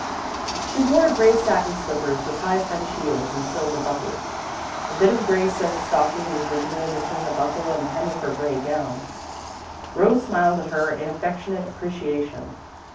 She wore grey satin slippers with high French heels and silver buckles. A bit of grey silk stocking was visible between the buckle and the hem of her grey gown. Rose smiled at her in affectionate appreciation.